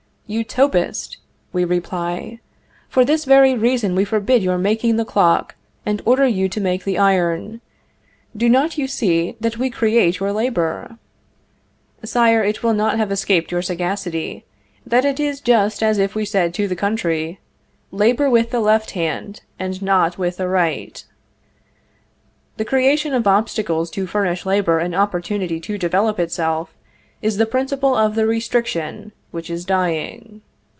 "Utopist!" we reply; "for this very reason we forbid your making the clock, and order you to make the iron. Do not you see that we create you labor?" Sire, it will not have escaped your sagacity, that it is just as if we said to the country, Labor with the left hand, and not with the right. The creation of obstacles to furnish labor an opportunity to develop itself, is the principle of the restriction which is dying.